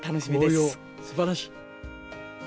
紅葉、すばらしい。